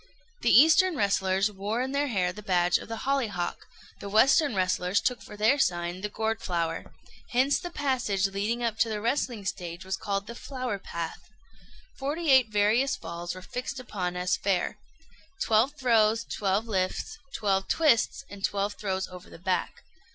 The eastern wrestlers wore in their hair the badge of the hollyhock; the western wrestlers took for their sign the gourd flower. Hence the passage leading up to the wrestling stage was called the "Flower Path." Forty eight various falls were fixed upon as fair twelve throws, twelve lifts, twelve twists, and twelve throws over the back.